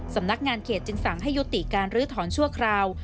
สำนักงานเขตจึงสั่งให้ยุติการลื้อถอนชั่วคราว